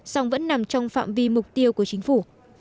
song vẫn nằm trong phạm vi mục tiêu của chính phủ